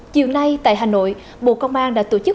chiều nay tại hà nội bộ công an đã tổ chức